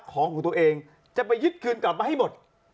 ของของตัวเองจะไปยึดคืนกลับมาให้หมด